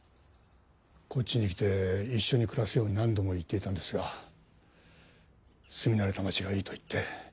こっちに来て一緒に暮らすように何度も言っていたんですが住み慣れた町がいいと言って。